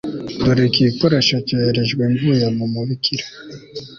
Dore iki gikoresho cyoherejwe mvuye mu mubikira